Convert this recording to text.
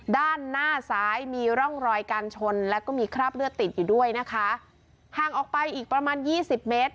ด้านหน้าซ้ายมีร่องรอยการชนแล้วก็มีคราบเลือดติดอยู่ด้วยนะคะห่างออกไปอีกประมาณยี่สิบเมตร